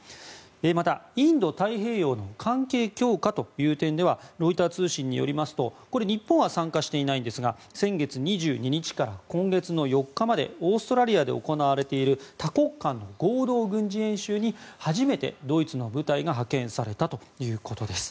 また、インド太平洋の関係強化という点ではロイター通信によりますとこれ、日本は参加していないんですが先月２２日から今月４日までオーストラリアで行われている多国間の合同軍事演習に初めてドイツの部隊が派遣されたということです。